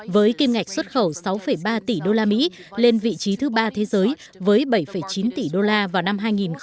với kim ngạch xuất khẩu sáu ba tỷ đô la mỹ lên vị trí thứ ba thế giới với bảy chín tỷ đô la vào năm hai nghìn hai mươi hai